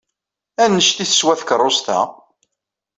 Anect ay teswa tkeṛṛust-a?